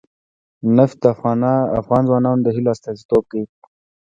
نفت د افغان ځوانانو د هیلو استازیتوب کوي.